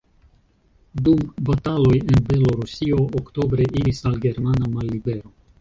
Dum bataloj en Belorusio oktobre iris al germana mallibero.